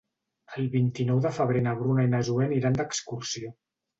El vint-i-nou de febrer na Bruna i na Zoè aniran d'excursió.